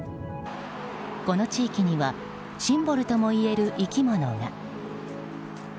この地域にはシンボルともいえる生き物が。